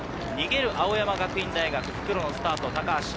逃げる青山学院大学、復路のスタート、高橋。